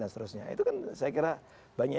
dan seterusnya itu kan saya kira banyak